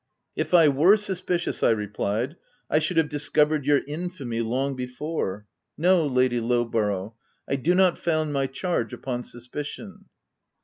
" If I were suspicious," I replied, " I should have discovered your infamy long before, No, Lady Lowborough, I do not found my charge upon suspicion."